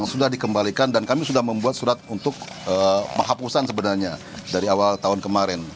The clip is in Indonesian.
sudah dikembalikan dan kami sudah membuat surat untuk penghapusan sebenarnya dari awal tahun kemarin